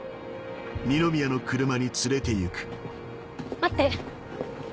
待って。